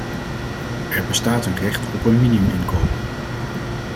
Er bestaat een recht op een minimuminkomen.